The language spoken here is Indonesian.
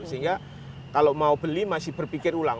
sehingga kalau mau beli masih berpikir ulang